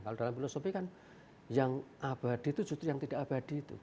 kalau dalam filosofi kan yang abadi itu justru yang tidak abadi itu